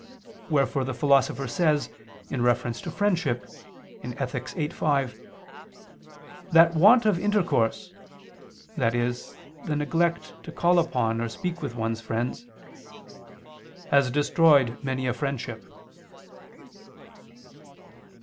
Wherefore the Philosopher says, in reference to friendship (Ethic. viii, 5) "that want of intercourse," i.e. the neglect to call upon or speak with one's friends, "has destroyed many a friendship."